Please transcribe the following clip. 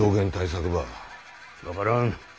分からん。